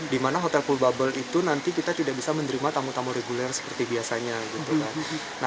dimana hotel full bubble itu nanti kita tidak bisa menerima tamu tamu reguler seperti biasanya gitu kan